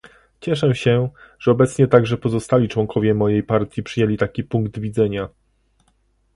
Cieszę się, że obecnie także pozostali członkowie mojej partii przyjęli taki punkt widzenia